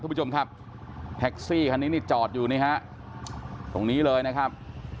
คุณผู้ชมครับแท็กซี่คันนี้นี่จอดอยู่นี่ฮะตรงนี้เลยนะครับ